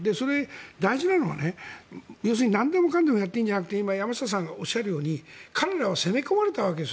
大事なのは要するになんでもかんでもやっていいんじゃなくて今、山下さんがおっしゃるように彼らは攻め込まれたわけです